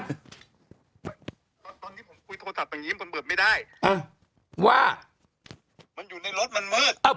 ตอนนี้ผมคุยโทรศัพท์อย่างนี้มันเบิดไม่ได้ว่ามันอยู่ในรถมันมืด